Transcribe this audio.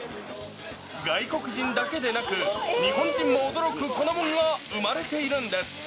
外国人だけでなく、日本人も驚く粉もんが生まれているんです。